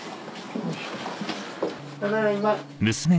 ただいま。